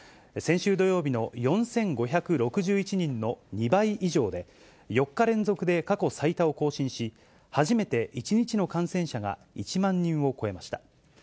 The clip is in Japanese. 先週土曜日の４５６１人の２倍以上で、４日連続で過去最多を更新し、初めて１日の感染者が１万人を超えました。